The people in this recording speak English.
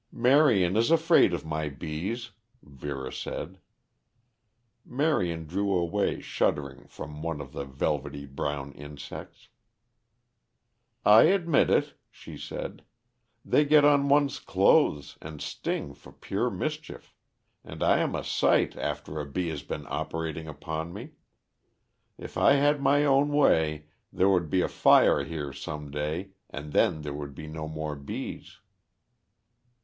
"Marion is afraid of my bees," Vera said. Marion drew away shuddering from one of the velvety brown insects. "I admit it," she said. "They get on one's clothes and sting for pure mischief. And I am a sight after a bee has been operating upon me. If I had my own way, there would be a fire here some day and then there would be no more bees."